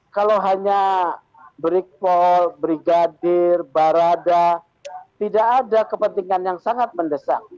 kalau hanya brigpol brigadir barada tidak ada kepentingan yang sangat mendesak